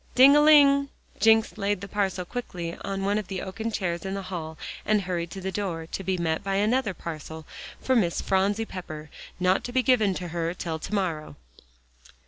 "Ding a ling," Jencks laid the parcel quickly on one of the oaken chairs in the hall, and hurried to the door, to be met by another parcel for "Miss Phronsie Pepper: not to be given to her till to morrow."